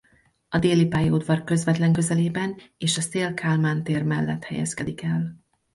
A Déli pályaudvar közvetlen közelében és a Széll Kálmán tér mellett helyezkedik el.